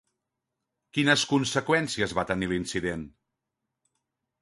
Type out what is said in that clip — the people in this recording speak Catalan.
Quines conseqüències va tenir l'incident?